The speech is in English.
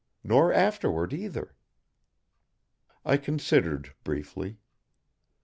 Nor afterward, either!" I considered briefly.